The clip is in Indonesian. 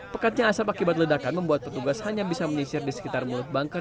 pekatnya asap akibat ledakan membuat petugas hanya bisa menyisir di sekitar mulut bangker